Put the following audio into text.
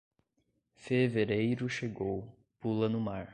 Fevereiro chegou, pula no mar.